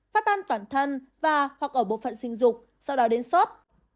phát ăn toàn thân và hoặc ở bộ phận sinh dục sau đó đến sốt